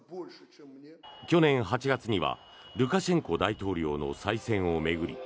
去年８月にはルカシェンコ大統領の再選を巡り